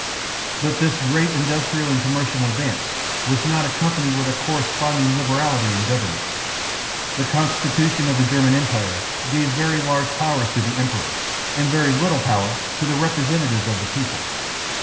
But this great industrial and commercial advance was not accompanied with a corresponding liberality in government. The constitution of the German Empire gave very large powers to the emperor, and very little power to the representatives of the people.